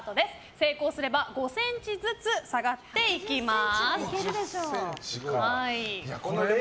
成功すれば５ｃｍずつ下がっていきます。